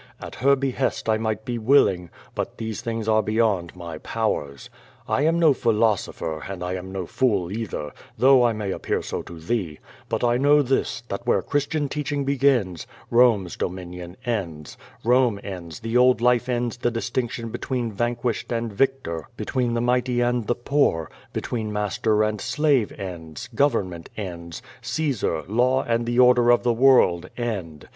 At her behest 1 might be willing, but these things arc beyond my powers. I am no philoso])her, and I am no fool, either, though I may ajipear so to thee, but I know this, that where Christian teach 224 ^^^^ VADIS. ing begins, Rome's dominion ends, Rome ends, the old life ends the distinction between vanguished and victor, between the mighty and the poor, between master and slave ends, gov ernment ends, Caesar, law and the order of the world end.